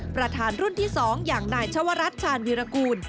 ประธานรุ่นที่๒อย่างนายชวรัชชาญวิรากูล